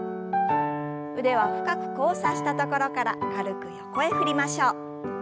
腕は深く交差したところから軽く横へ振りましょう。